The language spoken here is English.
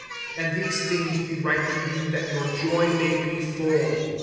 (4)And these things we write to you, that your joy may be full.